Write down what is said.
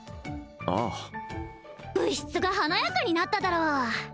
ああ部室が華やかになっただろ